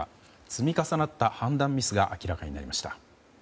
積み重なった判断ミスが明らかになりました。